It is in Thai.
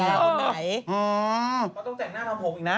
ไหนเขาต้องแต่งหน้าทำผมอีกนะ